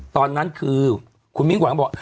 ตอนนั้นคือคุณมิ่งหวังบอก